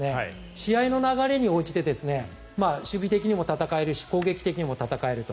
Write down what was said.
試合の流れに応じて守備的にも戦えるし攻撃的にも戦えると。